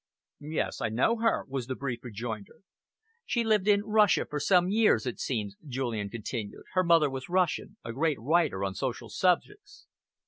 "Yes, I know her," was the brief rejoinder. "She lived in Russia for some years, it seems," Julian continued. "Her mother was Russian a great writer on social subjects."